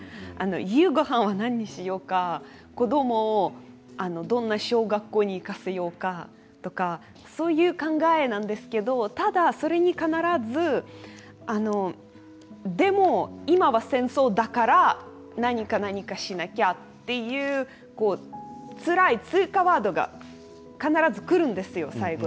夕ごはんは何にしようか子どもをどんな小学校に行かせようかとかそういう考えなんですけど、ただそれに必ず、でも今は戦争だから何かしなきゃという追加ワードが必ずくるんですよ。